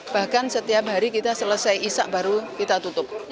bahkan setiap hari kita selesai isak baru kita tutup